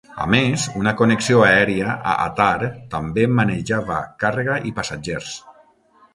A més, una connexió aèria a Atar també manejava càrrega i passatgers.